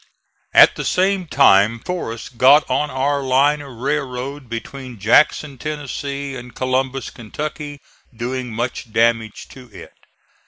At the same time Forrest got on our line of railroad between Jackson, Tennessee, and Columbus, Kentucky, doing much damage to it.